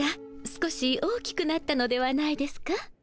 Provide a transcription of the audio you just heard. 少し大きくなったのではないですか？